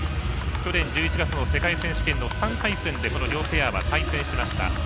去年１１月の世界選手権の３回戦で両ペアは対戦しました。